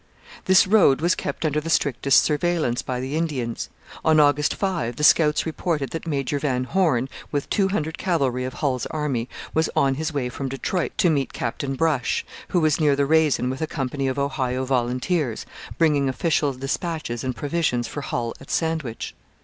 This road was kept under the strictest surveillance by the Indians. On August 5 the scouts reported that Major Van Horne, with two hundred cavalry of Hull's army, was on his way from Detroit to meet Captain Brush, who was near the Raisin with a company of Ohio volunteers, bringing official dispatches and provisions for Hull at Sandwich.